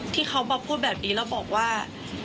ที่เขามาพูดแบบนี้แล้วบอกว่า